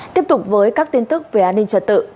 tiếp tục với các tin tức về an ninh trật tự